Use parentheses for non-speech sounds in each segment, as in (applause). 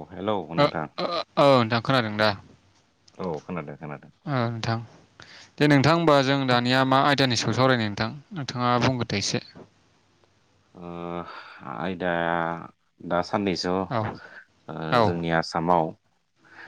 औ हेलौ ओ नोंथां ओ औ नोंथां खोनादों दा? औ खोनादों। खोनादों उम नोंथां दे ओ नोंथां होमबा जों दा निया मा आयदानि सायाव सावरायनो नोंथां नोंथाङा बुंग्रोदो एसे। ओ आयदाया दा साननैसोआव औ ओ औ जोंनि आसामाव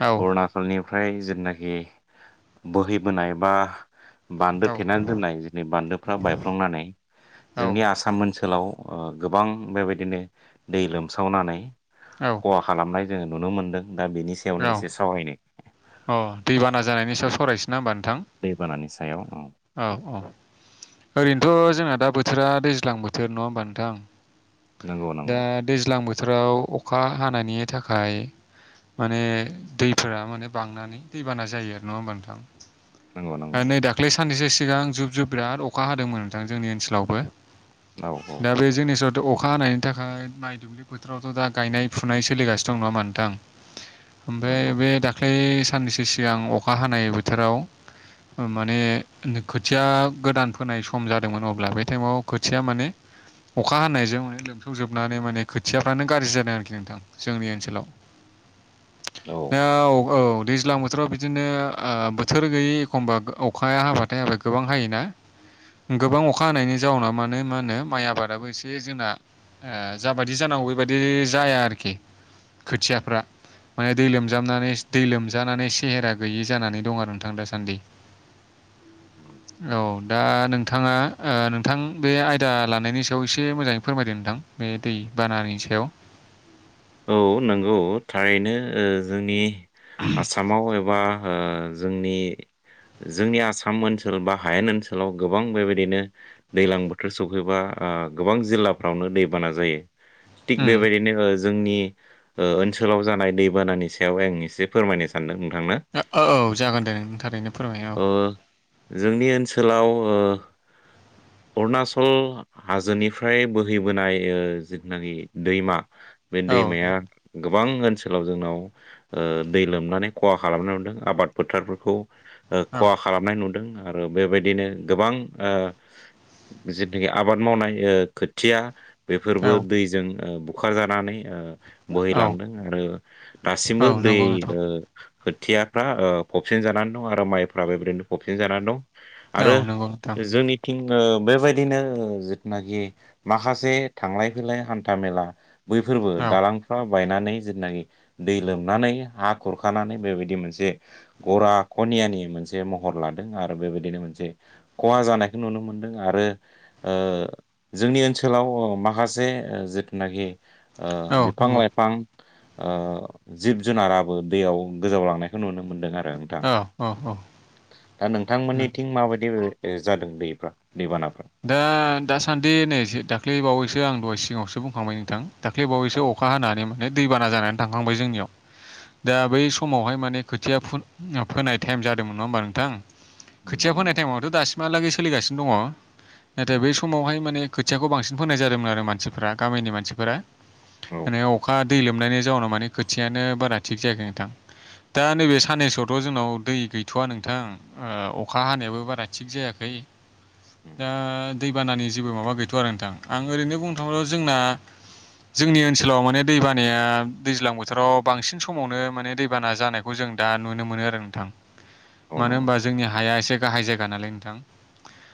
औ फ्राय जेनाखि बोहैबोनाय बा बान्दो थेनानै दोननाय जोंनि बान्दोफ्रा बायफ्लंनानै जोंनि औ आसाम ओनसोलाव ओ गोबां बेबायदिनो दै लोमसावनानै खहा खालामनाय जोङो नुनो मोनदों दा बेनि सायावनो औ एसे सावरायनो अ दैबाना जानायनि सायाव सरायनोसै। ना होमबा नोंथां दैबानानि सायाव औ औ ओरैनोथ' जोंना दा बोथोरा दैज्लां बोथोर नङा होमबा नोंथां नंगौ दा नंगौ दैज्लां बोथ थोराव अखा हानायनि थाखाय माने दैफोरा माने बांनानै दैबाना जायो नङा होमबा नोंथां नंगौ नंगौ नै दाख्लैसो साननैसो सिगां जुब जुब बिराद अखा हादोंमोन नोंथां जोंनि ओन्सोलावबो औ औ दा बे जोंनि सह अखा हानायनि थाखाय माइ दुब्लि बोथोरावथ' दा गायनाय फुनाय सोलिगासिनो दं नङा होनबा नोंथां। ओमफ्राय नंगौ बे दाख्लै साननैसो सिगां अखा हानाय बोथोराव माने खोथिया गोदान फोनाय सम जादोंमोन अब्ला बे टाइमाव खोथिया माने अखा हानायजों माने लोमसावजोबनानै माने खोथियाफ्रानो गाज्रि जादों आरोखि नोंथां जोंनि ओनसोलाव। दा औ औ दैज्लां बोथोराव बिदिनो ओ बोथोर गैयै एखमबा अखाया हाबाथाय हाबा गोबां हायोना। गोबां अखा हानायनि जाउनाव माने मा होनो माइ आबादाबो एसे जोंना ओ जाबायदि जानां औ बेबादि जाया आरोखि खोथियाफ्रा माने दै लोमजाबनानै दै लोमजानानै सेहेरा गैयि जानानै दं आरो नोंथां दासान्दि। औ दा नोंथाङा ओ नोंथां बे आयदा लानायनि सायाव एसे मोजाङै फोरमायदों नोंथां। बे दै बानानि सायाव। औ नंगौ थारैनो ओ जोंनि आसामाव एबा ओ जोंनि जोंनि आसाम ओनसोल बा हायेन ओनसोलाव गोबां बेबायदिनो दैज्लां बोथोर सफैबा ओ गोबां जिल्लाफ्रावनो दैबाना जायो थिग उम बेबायदिनो ओ जोंनि ओ ओनसोलाव जानाय दैबानानि सायावहाय आं एसे फोरमायनो सानदों। नोंथांनो ओ औ औ जागोन दे नों थारैनो। फोरमाय औ ओ जोंनि ओनसोलाव ओ (inaudible) अरुणाचल हाजोनिफ्राय बोहैबोनाय ओ जिथुनाखि दैमा बे औ दैमाया गोब बां ओनसोलाव जोंनाव ओ दै लोमनानै खहा खालामनो हदों आबाद फोथारफोरखौ। ओ औ खहा खालामनाय नुदों आरो बेबायदिनो गोबां ओ जेनोखि आबाद मावनाय ओ खोथिया बेफोरबो औ दैजों ओ बुखारजानानै ओ औ बोहैलांदों आरो औ दासिमबो दै नंगौ नोंथां ओ खोथियाफ्रा ओ फबसिन जानानै दं आरो माइफ्राबो बेबायदिनो फबसिन जानानै दं। औ आरो नंगौ नोंथां जोंनिथिं बेबायदिनो जिथुनाखि माखासे थांलाय फैलाय हान्था मेला बैफोरबो औ दालांफ्रा बायनानै जेथुनाखि दै लोंनानै हा खुरखानानै बेबायदि मोनसे गरा (unintelligible) मोनसे महर लादों आरो बेबायदिनो मोनसे खहा जानायखौ नुनो मोनदों आरो ओ जोंनि ओनसोलाव अ माखासे जिथुनाखि ओ औ बिफां नंगौ लाइफां ओ जिब जुनाराबो दैयाव गोजावलांनायखौ नुनो मोनदों आरो नोंथां औ औ नंगौ। दा नोंथांमोननिथिं माबायदि जादों दैफ्रा दैबाना दा दासान्दि नै दाख्लैबावैसो आं दहाय सिगाङावसो बुंखांबाय नोंथां दाख्लै बावैसो अ अखा हानानै माने दैबाना जानानै थांखांबाय जोंनियाव दा बै समावहाय माने खोथिया फु-फोनाय टाइम जादोंमोन नङा होमबा नोंथां। नंगौ खोथिया फोनाय नंगौ टाइमावथ' दासिमहालागै सोलिगासिनो दङ नाथाय उम बै समावहाय माने खोथियाखौ बांसिन फोनाय जादोंमोन आरो मानसिफोरा गामिनि मानसिफोरा माने अखा दै लोमनायनि जाउनाव माने खोथियानो बारा थिग जायाखै नोंथां। दा नैबे साननैसोआवथ' जोंनाव दै गैथ'वा नोंथां ओ अखा हानायाबो बारा थिग जायाखै (unintelligible) दा दैबानानि जेबो माबा गैथ'या आरो नोंथां आं ओरैनो बुंनो थाङोबा जोंना जोंनि ओनसोलाव माने दैबानाया दैज्लां बोथोराव बांसिन समावनो माने दैबाना जानायखौ जों दा नुनो मोनो आरो नोंथां औ उम औ मानो नंगौ होनबा जोंनि हाया एसे गाहाय जायगा नालाय नोंथां।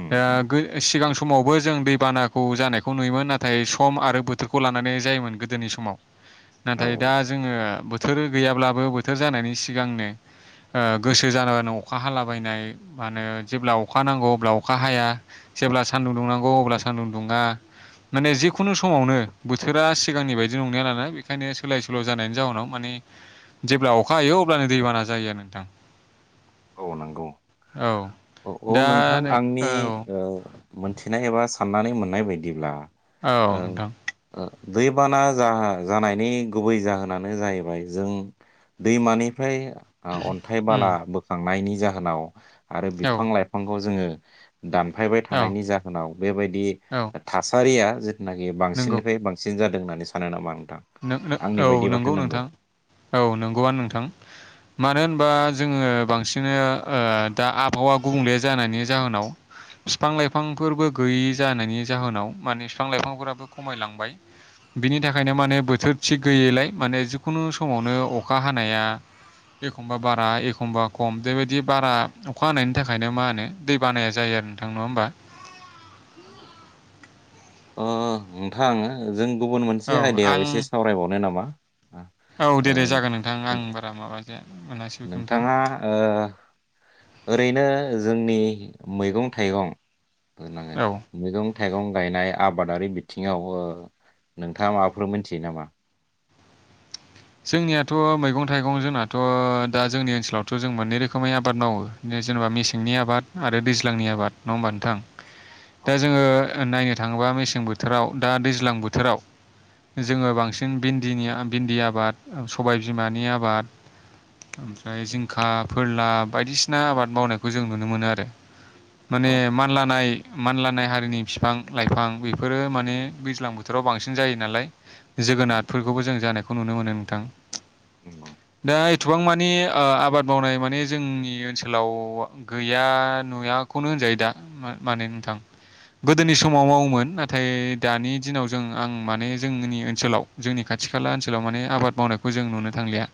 उम दा उम गो सिगां समावबो जों दैबानाखौ जानायखौ नुयोमोन नाथाय सम आरो बोथोरखौ लानानै ज जायोमोन गोदोनि समाव औ नाथाय दा जोङो बो थोर गैयाब्लाबो बोथोर जानायनि सिगांनो ओ गोसो जान अखा हालाबायनाय मा होनो जेब्ला अखा नांगौ अब्ला अख खा हाया जेब्ला सान्दुं दुंनांगौ अब्ला सानदुं दुङा। माने जिखुनु समावनो बोथोरा सिगांनि बायदि नंलिया नालाय बेखायनो सोलाय सोल' जानायनि जाहोनाव माने जेब्ला अखा हायो अब्लानो दैबाना जायो आरो नोंथां। औ नंगौ औ औ दा नोंथां नै आंनि औ मोनथिनाय एबा साननानै मोननाय बायदिब्ला औ ओ नोंथां। ओ दैबाना जा जानायनि गुबै जाहोनानो जाहैबाय जों दैमानिफ्राय ओ अन्थाइ बाला उम बोखांनायनि जाहोनाव आरो औ औ बिफां लाइफांखौ जोङो दानफायबाय औ थानायनि जाहोनाव बेबायदि थासारिया नाखि नंगौ बांसिननिफ्राय बांसिन जादों होननानै सानो नामा नोंथां आंनि औ बायदिबाथ' नंगौ नोंथां औ नंगौआनो नोंथां मानो होनबा जोङो बांसिन ओ दा आबहावा गुबुंले जानायनि जाहोनाव फिफां लाइफांफोरबो गैयि जानायनि जाहोनाव माने फिफां लाइफांफोराबो खमायलांबाय। बिनि थाखायनो माने बोथोर थिग गैयैलाय माने जिखुनु समावनो अखा हानाया एखमबा बारा एखमबा खम बेबायदि बारा अखा हानायनि थाखायनो मा होनो दै बानाया जायो। नोंथां नङा होमबा अ नोंथां आङो जों गुबुन औ मोनसे आं आयदायाव एसे सावरायबावनो नामा? औ दे ओ दे जागोन नोंथां आं बारा माबानो नोंथाङा ओरैनो जोंनि मैगं थाइगं मैगं औ (unintelligible) मैगं थाइगं गायनाय आबादारि बिथिंङाव नोंथाङा माबाफोर मोनथियो नामा जोंनियाथ' मैगं थाइगं जोंनाथ' दा जोंनि ओनसोलावथ' जों मोननै रोखोमै आबाद मावो जेनेबा मेसेंनि आबाद आरो दैज्लांनि आबाद नङा होमबा नोंथां औ दा जोंङो नायनो थाङोबा मेसें बोथोराव दा दैज्लां बोथोराव जोंङो बांसिन भिन्दिनि भिन्दि आबाद सबाय बिमानि आबाद ओमफ्राय जिंखा फोरला बायदिसिना आबाद मावनायखौ जों नुनो मोनो आरो माने नंगौ मानलानाय मानलानाय हारिनि बिफां लाइफां बेफोरो माने दैज्लां बोथोराव बांसिन जायो नालाय उम जोगोनारफोरखौबो जों जानायखौ नुनो मोनो नोंथां नंगौ दा एसेबां मानि आबाद मावनाय माने जोंनि ओनसोलाव गैया नुयाखौनो जायो दा माने नोंथां गोदोनि समाव मावोमोन नाथाय दानि दिनाव जों आं माने जोंनि ओनसोलाव जोंनि खा खाथि खाला ओनसोलाव माने आबाद मावनायखौ जों नुनो थांलिया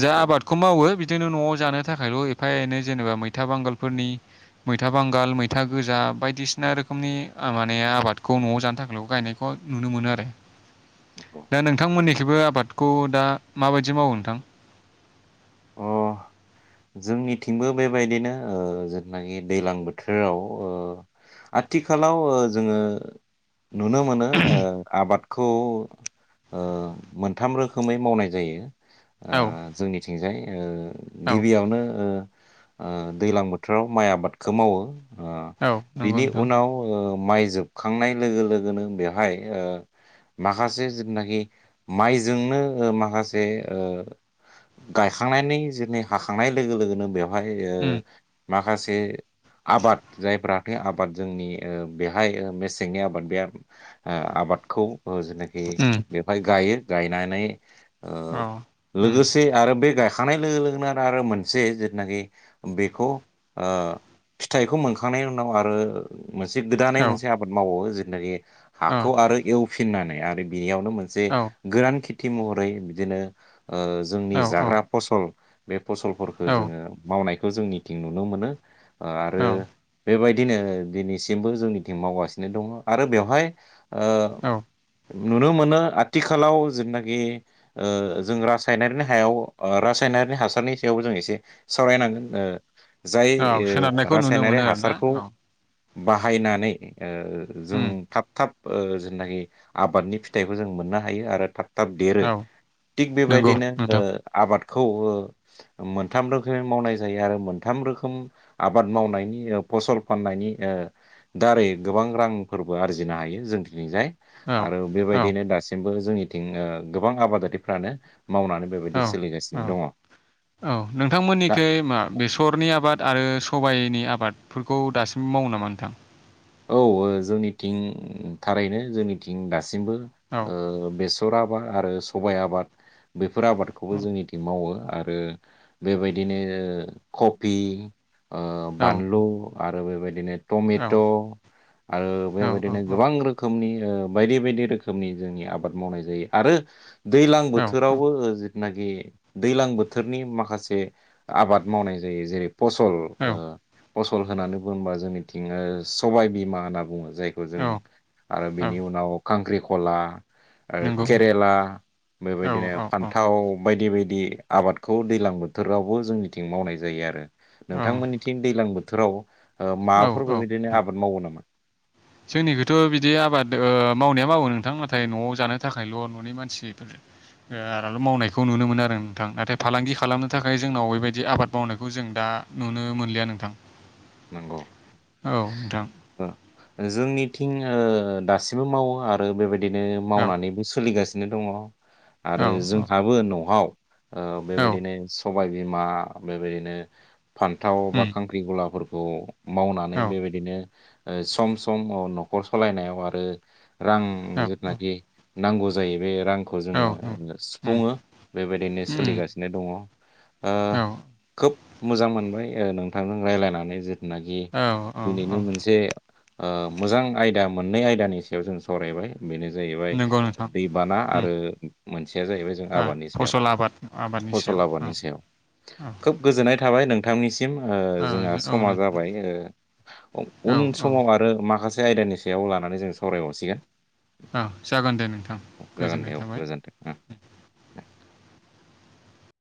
जा औ आबादखौ मावो बिदिनो नआव जानो थाखायल एफा एनै जेनेबा मैथा बांगालफोरनि मैथा बांगाल मैथा गोजा बायदिसिना रोखोमनि माने आबादखौ नआव जानो थाखायल गायनायखौ नुनो मोनो आरो नंगौ दा नोंथांमोननिखौबो आबाद खौ दा माबायदि मावो नोंथां अ जोंनिथिंबो बेबायदिनो जेनाखि दैलां बोथोराव आथिखालाव जोंङो नुनो मोनो आबादखौ ओ मोनथाम रोखोमै मावनाय जायो औ ओ जोंनिथिंजाय औ गिबियावनो ओ दैलां बोथोराव माइ आबादखौ मावो औ नंगौ बिनि नोंथां उनाव माइ जोबखांनाय लोगो लोगोनो बेवहाय माखासे जोनाखि माइजोंनो माखासे ओ गायखांनायनि जेरनि हाखांनाय लोगो लोगोनो बेवहाय उम माखासे आबाद जायफ्राखै आबाद जोंनि बेहाय मेसेंनि आबाद बे आबाद आबादखौ जेनाखि उम बेवहाय गायो गायनानै औ उम लोगोसे आरो बे गायखांनाय लोगो लोगोनो आरो मोनसे जेथनाखि बेखौ फिथाइखौ मोनखांनायनि उनाव आरो मोनसे गोदानै औ मोनसे आबाद मावो जेनाखि हाखौ आरो एवफिननानै आरो बियाव मोनसे औ गोरान खेथि महरै बिदिनो जोंनि औ जाग्रा फसल बे फसलफोरखौ औ जोंङो मावनायखौ जोंनिथिं नुनो मोनो आरो औ बेबायदि दिनै दिनैसिमबो जोंनिथिं मावगासिनो दङ आरो बेवहाय ओ औ नुनो मोनो आथिखालाव जेनाखि जों रासायनारिनि हायाव रासायनारिनि हास सारनि सायावबो जों एसे सावरायनांगोन जाय औ सोनारनायखौ नुनो रासायनारि मोनो आरोना हासारखौ औ बाहायनानै ओ जों उम थाब थाब ओ जेनाखि आबादनि फिथाइखौ जों मोननो हायो आरो थाब थाब देरो औ थिग ओ नंगौ बेबायदिनो नोंथां आबादखौ ओ मोनथाम रोखोमै मावनाय जायो आरो मोनथाम रोखोम आबाद मावनायनि फसल फाननायनि दारै गोबां रांफोरबो आरजिनो हायो जों दिनैजाय औ आरो औ बेबायदिनो दासिमबो जोंनिथिं गोबां आबादारिफ्रानो मावनानै औ बेबायदि औ सोलिगासिनो दङ औ दा नोंथांमोननिखै मा बेसरनि आबाद आरो सबाय नि आबादफोरखौ दासिम मावो नामा नोंथां औ जोंनिथिं थारैनो जोंनिथिं दासिमबो औ बेस बेसर आबाद आरो सबाय आबाद बेफोर औ आबादखौबो जोंनिथिं मावो आरो बेबायदिनो कफि औ बानलु आरो बेबायदिनो औ टमेट' आरो औ बेबायदिनो गोबां रोखोमनि बायदि बायदि रोखोमनि जोंनि आबाद मावनाय जायो आरो दैज्लां बोथोरावबो नाखि दैज्लां बोथोरनि माखासे आबाद मावनाय जायो जेरै फसल औ ओ फसल होननानै बुङोबा जोंनिथिं ओ सबाइ बिमा होनना बुङो। जायखौ जों आरो औ बेनि उनाव खांख्रिख'ला आरो नंगौ केरेला औ बेबायदिनो औ औ फान्थाव बायदि बायदि आबादखौ दैज्लां बोथोरावबो जोंनिथिं मावनाय जायो आरो औ नोंथांमोननिथिं दैज्लां बोथोराव माबाफोर बेबायदिनो आ (unintelligible) जोंनिखैथ' बिदि आबाद मावनाया मावो नोंथां नाथाय न'आव जानो थाखायल' न'नि मानसिफोर ओ मावनायखौ नुनो मोनो आरो नोंथां नाथाय फालांगि खालामनो थाखाय जोंनाव बेबायदि आबाद मावनायखौ जों दा नुनो मोनलिया नोंथां नोंगौ औ नोंथां। ओ जोंनिथिं दासिमबो मावो आरो बेबायदिनो औ मावनानैबो सोलिगासिनो दङ' आरो औ जोंहाबो न'आव औ बेबायदिनो सबाय बिमा बेबायदिनो फान्थाव बा उम खांख्रिख'लाफोरखौ मावनानै औ बेबायदिनो ओ सम सम न'खर सालायनायाव आरो रां औ जिथुनाखि नांगौ जायो बे रांखौ औ उम जोंङो उम सुफुङो बेबायदिनो उम सोलिगासिनो दङ' ओ औ खोब मोजां मोनबाय नोंथांजों रायज्लायनानै नाखि औ औ दिनैनि औ मोनसे मोजां आयदा मोननै आयदानि सायाव जों सावरायबाय बेनो जाहैबाय नंगौ नोंथां दैबाना उम आरो मोन जाहैबाय जों ओ आबादनि सायाव फसल आबाद आबादनि फसल सायाव औ आबादनि सायाव औ खोब गोजोननाय थाबाय नों नोंथांनिसिम औ जोंहा औ समा नोंथां जाबाय औ उन औ समाव आरो माखासे आयदानि सायाव लानानै जों सावरायहरसिगोन। औ जागोन दे नोंथां गोजोननाय दे औ थाबाय। गोजोन्थों।